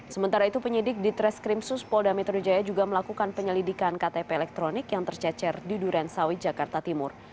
sementara itu penyidik di treskrimsus polda metro jaya juga melakukan penyelidikan ktp elektronik yang tercecer di durensawi jakarta timur